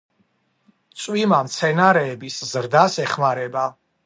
წვიმა მცენარეების ზრდას ეხმარება